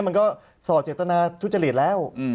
มันก็ส่อเจตนาทุจริตแล้ว